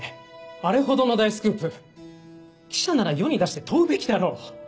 あれほどの大スクープ記者なら世に出して問うべきだろ。